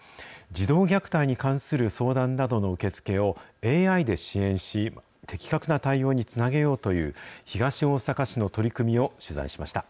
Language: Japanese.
児童虐待に関する相談などの受け付けをＡＩで支援し、的確な対応につなげようという、東大阪市の取り組みを取材しました。